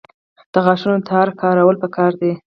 د غاښونو تار کارول پکار دي